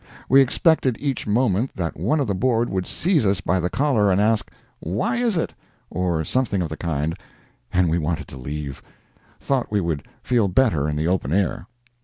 We expected each moment that one of the Board would seize us by the collar and ask, "Why is it?" or something of the kind, and we wanted to leave—thought we would feel better in the open air.